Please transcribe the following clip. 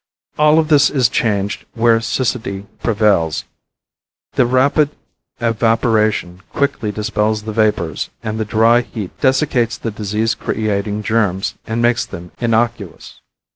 All of this is changed where siccity prevails. The rapid evaporation quickly dispels the vapors and the dry heat desiccates the disease creating germs and makes them innocuous.